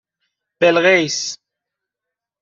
بِلقیس